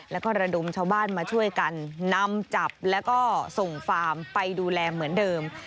แล้วก็ระดมชาวบ้านมาช่วยกันนำจับแล้วก็ส่งฟาร์มไปดูแลเหมือนเดิม